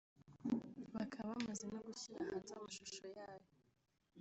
bakaba bamaze no gushyira hanze amashusho yayo